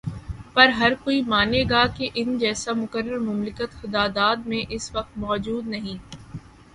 پر ہرکوئی مانے گا کہ ان جیسا مقرر مملکت خداداد میں اس وقت موجود نہیں۔